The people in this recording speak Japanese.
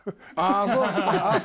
ああそう？